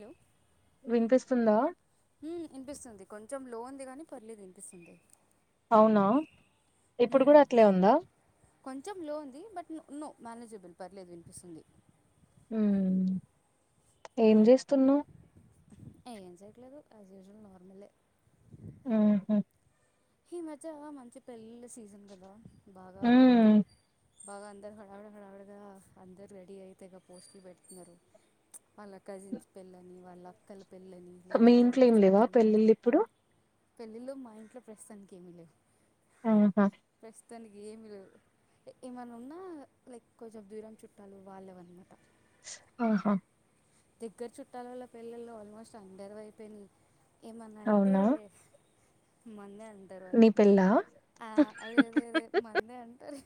Hello వినిపిస్తుందా మ్మ్ వినిపిస్తుంది కొంచెం లో ఉంది గానీ పర్లేదు వినిపిస్తుంది అవునా ఇప్పుడు కూడా అట్లే ఉందా కొంచెం లో ఉంది బట్ నో మేనేజబుల్ పర్లేదు వినిపిస్తుంది ఉ ఏం చేస్తున్నావు ఏ ఏం చయట్లేదు అజ్జవల్ నోర్మల్ ఆహా ఈ మధ్య మంచి పెళ్ళళ సీజన్ కదా భాగ ఉమ్ బాగా అందరు హడావడ హడావడగా అందరు రెడీ అయితే ఇక పోస్టులు పెడుతున్నారు వాళ్ళ కజిన్స్ పిల్లని వాళ్ళ అక్కలు పెళ్ళని మీ లేకపోతే ఇంట్లో వాళ్ళ ఏం లేవా చుట్టాలు వెళ్తే పెళ్ళిళ్ళు ఇప్పుడు పెళ్ళిళ్ళ మా ఇంట్లో ప్రస్తుతానికి ఏమిీ లేవు ఆహా తనికి ఏమిీ లేదు ఏమైన్నా ఉన్నా లైక్ కొంచెం దూరం చుట్టాలు వాళ్ళేవనమాట ఆహా దగ్గర చుట్టాలల పెళ్ళిళ్ళు ఆల్మోస్ట్ అండర్ అయిపోయినాయి ఏమన్నా అంటే అవునా మన్న అంటారు నీ వాళ్ళు పెళ్ళా ఆ అదే అదే అదే మందే అంటారు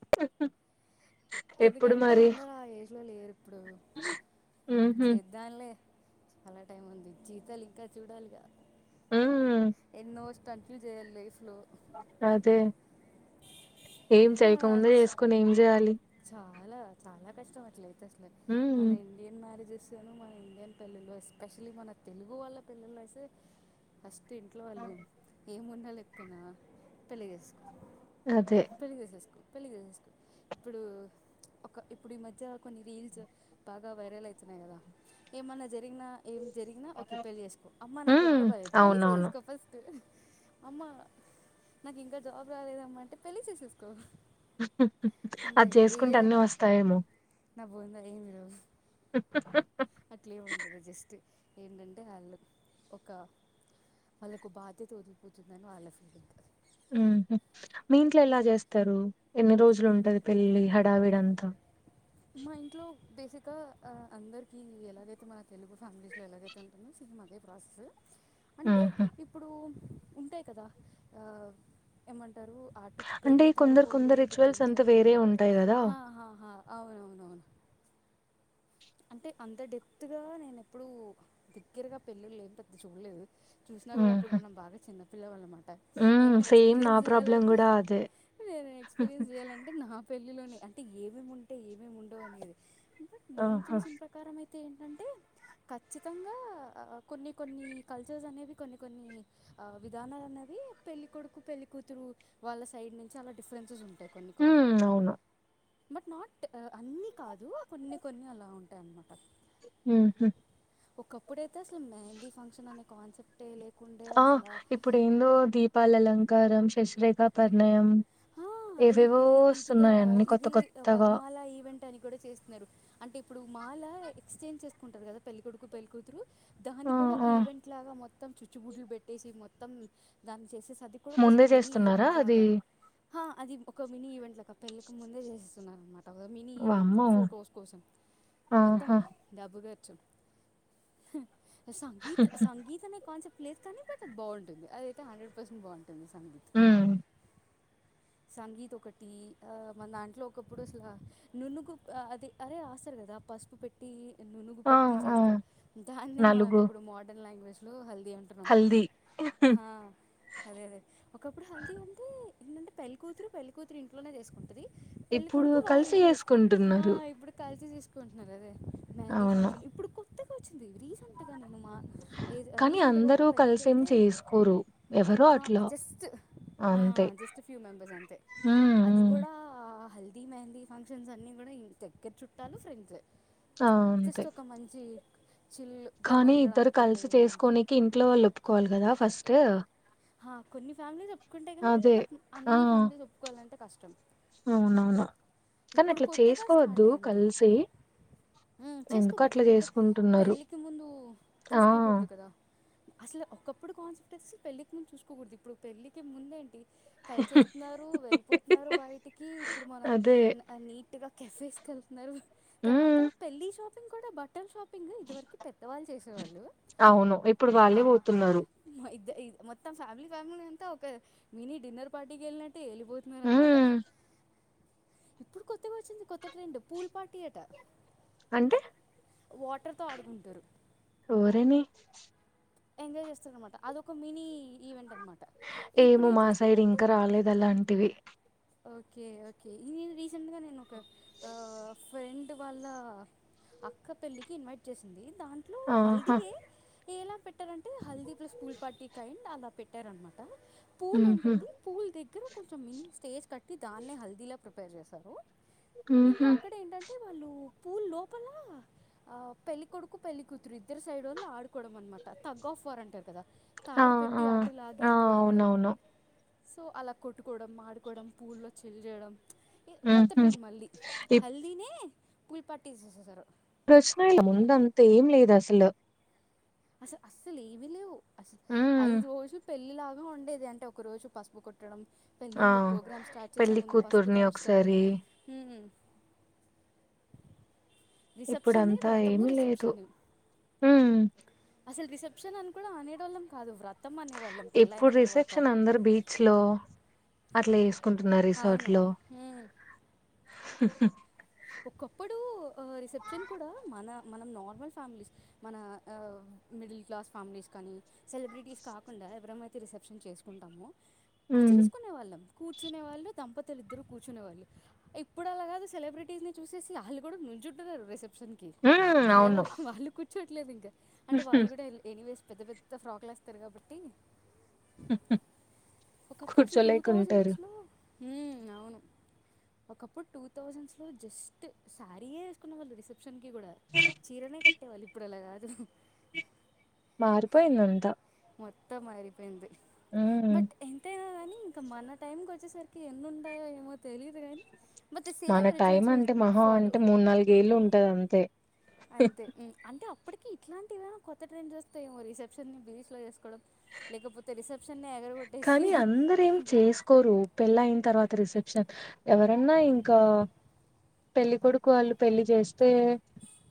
ఆ ఎందుకంటే అందరు ఆ ఏజ్ లో లేరు ఇప్పుడు ఉహు చేద్దాంలే చాలా టైం ఉంది జీతలు ఇంకా చూడాలిగా ఉమ్ ఎన్నో కంటఫయూ్ చేయాలి లైఫ్ లో అదే ఏం చేయకముంద చేసుకుొని ఏం చేయాలి చాలా చాలా కష్టం అట్లయితే అసలు ఉమ్ మన ఇండియన్ మ్యారేజెస్ మన ఇండియన్ పెళ్ళిళ ఎస్పెషలీ మన తెలుగు వాళ్ళ పెళ్ళిల్లో అయితే ఫస్ట్ ఇంట్లో వాళ్ళు ఏముండాలి చెప్పనా పళ్లిగ అదే పెల్లిచెసెసుకో పెల్లిచేసేసుకో ఇప్పుడు ఒక ఇప్పుడు ఈ మధ్య కొన్ని రీల్స్ బాగా వైరల్ అవుతున్నాయి కదా ఏమన్నా జరిగినా ఏం జరిగినా ఓకే పెళ్లి చేసుకో అమ్మా నాకు ఉమ్ ఒంట్లో బాదు పెళ్లి అవునవును చేసేసుకో ఫస్ట్ అమ్మా నాకు ఇంకా జాబ్ రాలేదమ్మా అంటే పెళ్లి చేసేసుకో అ అది ఇంతే చేసుకుంటే అన్నీ వస్తాయేమో పోంద ఈ మరు స అట్లెం ఉండదు జస్ట్ ఏంటంటే వాళ్ళ ఒక వాళ్ళకు బాధ్యత వదిలిపోతుందని వాళ్ళ ఫీలింగ్ ఉ మీ ఇంట్లో ఎలా చేస్తారు ఎన్ని రోజులు ఉంటది పెల్లి కావిడ అంత మా ఇంట్లో బేసిక్ గా అందరికి ఎలాగైతే మన తెలుగు ఫ్యామిలీస్ లో ఎలాగైతేంటందో సీ అదే ఫ్రస్ అంటే ఉహు ఇప్పుడు ఉంటాయి కదా ఏమంట ారు అటు అంటే పెళ్లి కొందరు తరపు వాళ్ళు కొందరు ఇటు రిచువల్స్ పెళ్లి అంతా వేరే తరపుళ్లు ఉంటాయి కదా హాా అంటే అంత డెప్త్గా నేన ఎప్పుడూ దగ్గరగా పెళ్ళిళ్ళ ఏం పెద్ద చూడలేదు చూసినా కూడా అప్పుడు ఆహా మనం బాగా చిన్నపిల్లవాళ్ళన్నమాట ఉమ్ ఏమైనా సేమ్ నా ఎక్స్పీరియన్స్ ప్రాబ్లం చేయాలంటే కూడా అదే నేను ఎక్స్పీరియన్స్ చేయాలంటే నా పెళ్ళిలోని అంటే ఏమేమి ఉంట అంటే ఏమేమి ఉండవు అనేది బట్ నేన్ ఆహా చూసిన ప్రకారం అయితే అతే ఏంటంటే ఖచ్చితంగా కొన్ని కొన్ని కల్చర్స్ అనేవి కొన్ని కొన్ని విధానాలు అనేవి పెళ్ళికొడుకు పెళ్ళికూతురు వాళ్ళ సైడ్ నుంచి అలా డిఫరెన్సెస్ ఉంటుయి అట్టయి కొన్ని కొన్ని ఉమ్ అవును బట్ నాట్ అన్ని కాదు కొన్ని కొన్ని అలా ఉంట అంటే అన్నమాట హ ఒకప్పుడు అయితే అసలు మెహందీ ఫంక్షన్ అనే కాన్సెప్టే లే ఆ ఇప్పుడు ఏందో దీపాలల కారం, శశిరేఖాపర్ణయం ఆ ఇప్పుడు ఇది ఇ అ అన్ని కొత్త ఇది కొత్తగా వర్మాల ఈవెంట్ అని కూడా చేస్తున్నారు. అంటే ఇప్పుడు మాల ఎక్స్చేంజ్ చేసుకుంటారు. కదా పెళ్లికొడుకు, పెళ్లికూతురు దాన్ని ఆ కూడా ఒక ఆ ఈవెంట్ లాగా మొత్తం చుచ్చు బుడ్లు పెట్టేసి మొ మొత్తం దాన్ని చేసేసి అది కూడా ముందే సింగిల్ చేస్తున్నారా ఈవెంట్ అది లాగా హా అది ఒక మినీ ఈవెంట్ పెళ్ళికి ముందు చేస్ న్న మ మినీ ఈవెంట్ వామ్మో ఫొటోస్ కోసం మొత్తం ఆహా డబ్బు హ్ సంగీత్ సంగీతనే కాన్సెప్ట్ లేద్ కానీ బట్ అది బావుంటుంది. అదయితే హండ్రెడ్ పర్సెంట్ బాంది. తన సంగీత్ ఉమ్ సంగీత్ ఒకటి ఆ మన దాంట్లో ఒకప్పుడు అసల నున్నుకు ఆ అదే అరే రాస్తారు. కదా పసుపు పెట్టి నునుగు ఆ పెట్టి ఆ చేస్తారు. దాన్నే మనం నలుగు ఇప్పుడు మోడర్న్ లాంగ్వేజ్ లో హల్ ది అంటున్నాం హల్దీ హా అదే అదే ఒకప్పుడు హల్దీ ఉంటే ముందు పెళ్ళి కూతురు పెళ్లి, కూతురు ఇంట్లోనే చేసుకుంటది పెళ్లి ఇప్పుడు కొడుకు వాళ్ళు కలిసి ఇంట్లో చేసుకుంట ఆ చేసుకుంటున్నారు ఇప్పుడు కలిసి చేసు కుంటున్నారు అదే మెహందీ అవును ఫంక్షన్ ఇప్పుడు కొత్తగా వచ్చింది. రీసెంట్ గానే మా కానీ రీసెంట్ గా ఒక అందరూ పెళ్ళికి కలిసేం ఎళ్తే చేసుకోరు ఎవరో హా అట్లా జస్ట్ ఆ అంతే జస్ట్ ఫ్యూ అంతే ఉమ్ అది ఉమ్ కూడా హల్ ఈ మెహందీ ఫంక్షన్స్ అన్ని కూడా ఇంతే రేప్ చుట్టాలు వస్తే తెలుస్తది. ఆ జస్ట్ అంతే ఒక మంచి చిల్గా కానీ ఇద్దరు ఉండడానికి కలిసి ఎంజాయ్ చేయడానికి చేసుకోనీకి ఇంట్లో వాళ్ళు ఒప్పుకోవాలి కదా ఫస్ట్ హా కొన్ని ఫ్యామిలీస్ ఒప్పుకుంటాయి. గానీ అదే బట్ అన్ని ఫ్యామిలీస్ ఒప్పుకోవాలంటే కష్టం అవునవునా కానీ ఇప్పుడు అట్లా కొత్తగా చేసుకోవద్దు స్టార్ట్ అయింది కలిసి ఉమ్, ఎందుకో చేసుకోకూడదు అట్లా ఎందుకంటే చేసుకుంటున్నారు. పెళ్ళికి ముందు ఆ చూసుకోకూడదు కదా అసలు ఒకప్పుడు కాన్సెప్ట్ స్ పెళ్ళి చూసుకోకూడదు ఇప్పుడు పెళ్లికి ముందేంటి కలిసిేస్తున్నారు వెళ్ళిపోతున్నారు బయటికి ఇప్పుడు మనం అదే నీట్గా కఫేస్కి వెళ్తున్నారు తర్వాత ఉమ్ పళ్లి చ బటర్ ష ఇంకా ఇదివరకు పెద్దవాళ్ళు చేసేవాళ్ళు అవును ఇప్పుడు ఆ వాళ్ళే పోతున్నారు [inaudible] మొత్తం ఫ్యామిలీ ఫ్యామిలీ అంతా ఒక మినీ డిన్నర్ పార్టీకి వెళ్ళినట్ తేలిపోతున్నార అనమాట ఉమ్ ఇప్పుడు కొత్తగా వచ్చింది కొత్త ట్రెండ్ పూల్ పాటీయట అంటే ఆడుకుంటారు ఊరేని ఎంజాయ్ చేస్తార అనమాట అదొక మినీ ఈవెంట్ అనమాట ఏమో ఇప్పుడు ఏం మా సైడ్ చేస్తున్నారంటే ఇంకా రాలేదు అలాంటివి ఓకే ఓకే ఇేను రీసెంట్గా నేను ఒక ఫ్రెండ్ వాళ్ళ అక్క పెళ్ళికి ఇన్వైట్ చేసింది దాంట్లో ఆహా హల్దీయే ఏలా పెట్టి అంటే హల్ీ ఇ స్కూల్ పార్టీకి అం అలా పెట్ పెట్టేారు అన్నమాట పూలు ఉహు ఉంటుంది పూలు దగగ కుంచ చమ్ినని స్టేజ కట్టి దాే హల్దీలో పేర్ చేసారు ఇంకా ఉహు అక్కడ ఏంటంటే వాళ్ళు పూ లోపల పెళ్ళికొడుకు పెళ్ళ కూతురు ఇద్దరు సైడ్ వళ్ల ఆడుకోవడం అన్నమాట తగ్ ఆఫ్ వర్ అంటారు కదా ఆ తాడు పెట్టి ఆ అటులాగి ఆ ఇటులాగడం అవునవును సో అలా కొట్టుకోవడం మాడుకోవడం పూల్లో చెల్లి చేేయడం కొత్త ట్రైన్ ఉహు మళ్ళీ హల్దీనే పూల్ పట్టీ చేసేసారు ప్రశ్న ముందంత ఏం లేదు అసలు అసలు అస్సలు ఏమిీ లేవు హ్మ్ ఐజ వష పెళ్ళిలాగా ఉండేది అంటే ఒక రోజు పసుపు కుట్టడం పెళ్ ఆ నీళ్ళలు ప్రోగ్రామ్ స్టార్ట్ చేసే పెళ్లి ముందు పసుపు కూతుర్ని దంచుతారు కదా ఒకసారి రిసెప్షనే ఇప్పుడంతా వ్రతము ఏమిీ లేదు రిసెప్షన్ హ అసలు రిసెప్షన్ అని కూడా ఆనేడళ్ళం కాదు వ్రా ఎప్పుడు రిసెప్షన్ అందరు బీచ్ లో అట్లా కుంటున్నారు రిసార్ట్ లో అవును ఓ ఒకప్పుడు రిసెప్షన్ కూడా మన మనం నార్మల్ ఫ్యామిలీస్ మన మిడిల్ క్లాస్ ఫ్యామిలీస్ కానీ సెలబ్రిటీస్ కాకుండా ఎవరమైతే రిసెప్షన్ చేసుకుంటామో హ్మ్ చేసుకునే వాళ్ళం కూర్చునే వాళ్ళు దంపతులు ఇద్దరు కూర్చునే వాళ్ళు ఇప్పుడు అలాగాదు సెలబ్రిటీస్ ని చూసేసి వాళ్ళ కూడా నుంచుారు రెసెప్ట్ షన్కి హ్మ్ ర అవును వాళు కు చెలే వింగర్ అంటే వాళ్ళు కూడా ఎనీ వేస్ పెద్ద పెద్ద ఫ్రాక్లు వేస్తారు కాబట్టి ఒకప్పుడు అసలు టూ కూర్చోలేకుంటారు థౌజండ్స్లో అవును ఒకప్పుడు టూ థౌజండ్స్లో జస్ట్ సారేసుకున్న షన్ కి కూడా చీరనే కట్ట అట్టే వాళ్ళు ఇప్పుడు అలా కాదు మారిపోయిందింతా మొత్తం మారిపోయింది హ్మ్ బట్ ఎంతనాని ఇంకా మన టైంకి వచ్చేసరికి ఎన్నింటాయో ఏమో తెలియదు కాగాని మన టైం అంటే మొహా అంటే మూడు నాలుగ ఏళ్ళు ఉంటది అంతే అంతే అంటే ఇప్పటికీ ఇట్లాంటివైనా కొత్త ట్రైన్స్ వస్తే ఓ రిసెప్షన్ ని బీచ్లో చేసుకోవడం లేకపోతే రిసెప్ కానీ అందర ఏం చేసుకోరు పెళ్ళ అయిన తర్వాత రిసెప్ట్ ఎవరన్నా ఇంకా పెళ్లిికొడుకు వాళ్ళు పెళ్లిి చేస్తే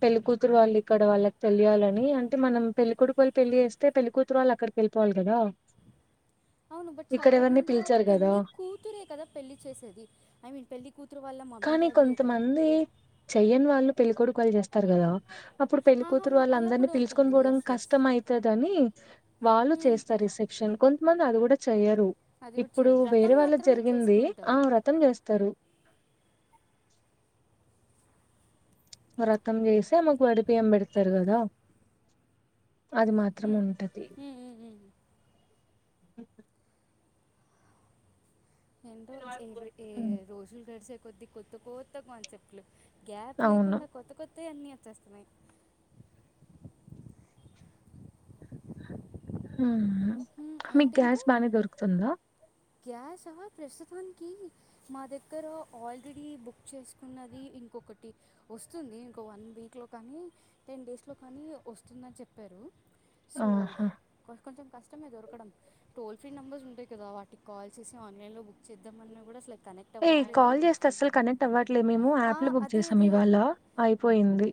పెళ్లికతురు వాళ్ళు ఇక్కడ వాళ్ళకి తెలియాలని అంటే మనం పెళ్లికొడుకు వాళ్ళు పెళ్లి చేస్తే పెళ్లిికతురు వాళ్ళు అక్కడికి వెళ్ళిపోవాలి కదా అవును బట్ ఇక్కడ ఎవరిని సాధారణంగా పిలిచారు కదా పెళ్లి కూతురే కదా పెళ్లి చేసేది ఐ మీన్ పెళ్లి కూతురు వాళ్ళ మమ్మీ కానీ డ్యాడీయే కదా! కొంతమంది చెయ్యని వాళ్ళు పెళ్ళికడు కళ్లు చేస్తారు కదా అప్పుడు పెళ్లిికూతురు ఆహాహా! వాళ్ళు అలా అందరినీ కూడా పిలుచకొని ఉంటుంది. పోవడం యెస్. యెస్. కష్టం అవుతుంది అని వాళ్ళు హ్మ్. చేస్తారు రిసెప్షన్ కొంతమంది అది కూడా చేయదు అది కూడా ఇప్పుడు చేయరు. వేరే వ్రతం వాళ్ళ మాత్రమే జరిగింది ఆ చేసుకుంటారు. వ్రతం చేస్తారు వ్రతం చేసి అమ్మ కు వడి బియ్యం పెడతారు కదా అది మాత్రం హ్మ్. ఉంటది హ్మ్. హ్మ్. హ్మ్. [unintelligible] ఏందో [unintelligible] రోజులు గడిచాక కొద్ది కొత్త కొత్త కాన్సెప్ట్లు గ్యాప్ అవును లేకుండా కొత్త కొత్త అ అన్నిీ వచ్చేస్తున్నాయి హ హ్మ్. మీకు గ్యాస్ ఏంటింకా? బానే దొరుకుతుందా గ్యాసా ప్రస్తుతానికి మా దగ్గర ఆల్రెడీ బుక్ చేసుకున్నది ఇంకొకటి వస్తుంది ఇంకో వన్ వీక్లో కానీ టెన్ డేస్లో కానీ వస్తుందని చెప్పారు సో ఆహా అంటే [unintelligible] దొరకడం టోల్ ఫ్రీ నెబర్స్ ఉంటాయి కదా వాటికి కాల్ చేసి ఆన్లైన్ లో బుక్ చేద్దామని కూడా అస్సలు ఏ కాల్ చేస్తే అస్సలు కనెక్ట్ అవ్వట్లేదు మేము ఆ, యాప్ లో బుక్ అదే చేసాం అదే ఇవాళ అయిపోయింది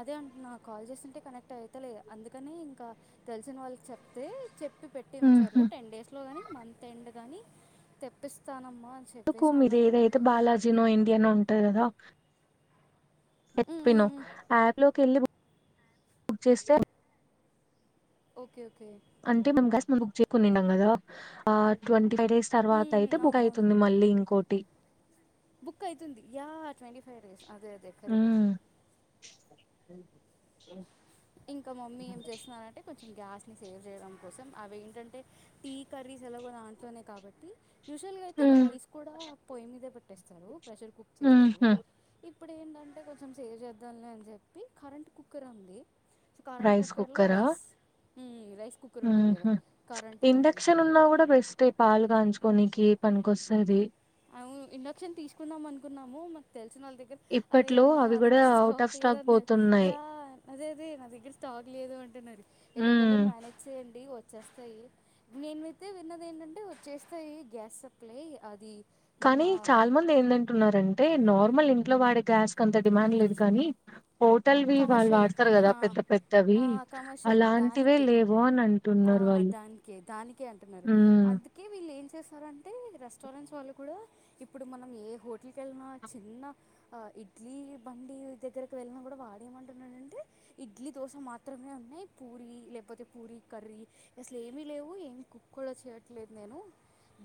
అదే అంటు నాకు కాల్ చేస్తుంటే కనెక్ట్ అయితేలేదు అందుకని ఇంకా తెలిసిన వాళ్ళకి చెప్తే చెప్పి పెట్టి ఉంచారు ఊహు టెన్ డేస్ లో కాని మంత్ ఎండ్ కాగాని తెప్పిస్తానం అందుకు మీరు ఏదైతే బాలాజీ నో ఇండియనో ఉంట కదా హ్మ్. ఎినో హ్మ్. హ్మ్. ఆయాప్ లోకి వెళ్ళి బక్ చేస్తే ఓకే ఓకే. అంటే మేము [unintelligible] [unintelligible] నింం కదా ఆ ట్వ ఫైవ్ డేస్ తర్వాత హ్మ్. అయితే హ్మ్. బుక్ అవునవును. అవుతుంది మళ్ళీ ఇంకోటి బుక్ అయితుంది యా ట్వంటీ ఫైవ్ డేస్ అదే అదే కరెక్ట్ ఊమ్ [unintelligible] ఇంకా మమ్మీ ఏం చేస్తున్నానంటే కొంచెం గ్యాస్ని సేవ్ చేయడం కోసం అవి ఏంటంటే టీ కర్రీస్ ఎలాగో దాంట్లోనే కాబట్టి యూజువల్గా అయితే ఊమ్ రైస్ కూడా పొయి మీీదా ట్టేస్తారు ప్రెషర్ కుక్ చేస్తారు ఊహు ఇ ఇప్పుడు ఏంటంటే కొంచెం సేవ్ చేద్దాలని అని చెప్పి కరెంట్ కుక్కర్ ఉంది సో కారంెన్ కుక్కర్ లో రైస్ రైస్ కుక్కర్ ఉంటుంది కదా హుహ్ కరెంటుతో ఇండక్షన్ ఉన్నా కూడా బెస్టే పాలు కాగించు కొనికి పనికొస్తది. [unintelligible] ఇండక్షన్ తీసుకుందాం అనుకున్నాము మాకు తెలి సినోళ్ళ దగ్గర అరే ఇప్పట్లో అన్నా అవి నా గూడా దగ్గర ఔట్ స్టాక్ ఆఫ్ లేదు అన్నది పోతున్నాయి. యా అదే అదే నా దగ్గర స్టాక్ లేదు అంటున్నారు. హ్మ్. ఎలాగోలా మేనేజ్ చేయాలి. వచ్చేస్తాయి, నేనైతే విన్నది ఏంటంటే వచ్చేస్తాయి గ్యాస్ సప్లై అది కానీ మన చాలా మంది ఏందంటున్నారంటే, నార్మల్ ఇంట్లో వాడే గ్యాస్ అంత డిమాండ్ లేదు కానీ హోటల్వి వాళ్ళు కమర్షియల్ వాడతారు కదా పెద్ద పెద్దవి కమర్షియల్ అలాంటివే దానికే లేవు అని అంటున్నారు వాళ్ళు దానికే దానికే హు న్నారంటే రెస్టారెంట్స్ వాళ్ళు కూడా ఇప్పుడు మనం ఏ హోటల్కి వెళ్ళిన చిన్న ఇడ్లీ బండి దగ్గరకి వెళ్ళినా కూడా వా ఏమంటున్నానంటే ఇడ్లీ, దోశ మాత్రమే ఉన్నాయి పూరీ లేకపోతే, పూరి కర్రీ అసలు ఏమీ లేవు, ఏమి కుక్ కూడా చేయట్లేదు నేను.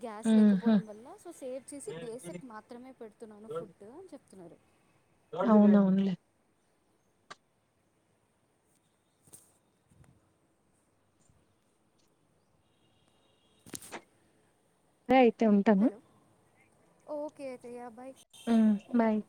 గ్యాస్ హుహు. లేకపోవడం వల్ల సో సేవ్ చేసి బేసిక్ మాత్రమే పెడుతున్నాను ఫుడ్ అని చెప్పి న్నారు అవునవునులే. ఆయి అయితే ఉంటను. హలో ఓకే అయితె యా బాయ్. హ్ బాయ్